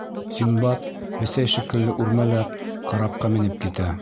Синдбад, бесәй шикелле үрмәләп, карапҡа менеп китә.